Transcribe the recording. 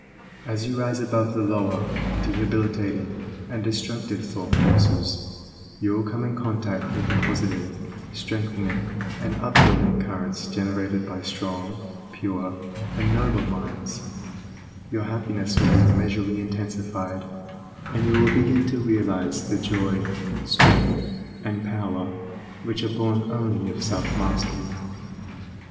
As you rise above the lower, debilitating, and destructive thought forces, you will come in contact with the positive, strengthening, and up building currents generated by strong, pure, and noble minds, your happiness will be immeasurably intensified, and you will begin to realize the joy, strength, and power, which are born only of self mastery.